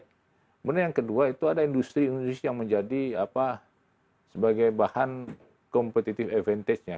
kemudian yang kedua itu ada industri industri yang menjadi sebagai bahan competitive advantage nya